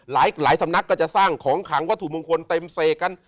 หลายสำนักก็จะสร้างของขังวัตถุมงคลเต็มเสกกัน